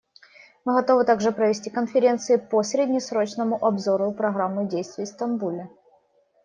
Мы готовы также провести конференцию по среднесрочному обзору Программы действий в Стамбуле.